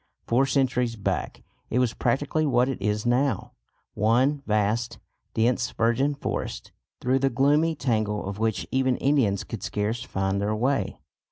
Four centuries back it was practically what it is now one vast dense virgin forest, through the gloomy tangle of which even Indians could scarce find their way.